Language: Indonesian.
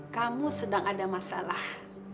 kamu sedang ada masalah